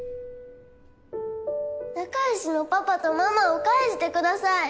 仲良しのパパとママを返してください。